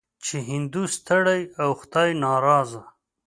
چې هندو ستړی او خدای ناراضه.